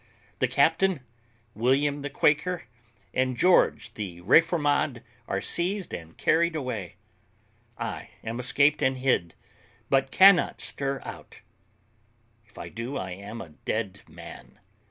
The captain, William the Quaker, and George the reformade are seized and carried away: I am escaped and hid, but cannot stir out; if I do I am a dead man.